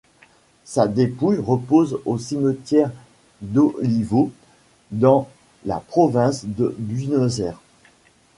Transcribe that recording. Sa dépouille repose au cimetière d'Olivos, dans la province de Buenos Aires.